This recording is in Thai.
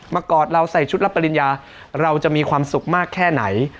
กอดเราใส่ชุดรับปริญญาเราจะมีความสุขมากแค่ไหน